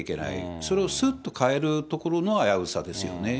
それをすっと変えるところの危うさですよね。